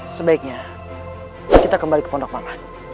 sebaiknya kita kembali ke pondok mama